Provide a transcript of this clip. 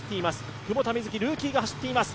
久保田みずき、ルーキーが走っています。